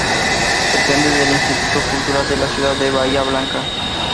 Depende del Instituto Cultural de la ciudad de Bahía Blanca.